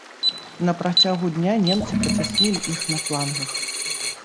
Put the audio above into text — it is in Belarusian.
На працягу дня немцы пацяснілі іх на флангах.